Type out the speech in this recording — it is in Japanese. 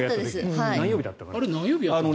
何曜日だったかな。